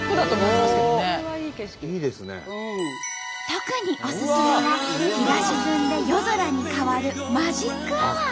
特におすすめが日が沈んで夜空に変わるマジックアワー。